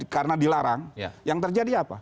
karena dilarang yang terjadi apa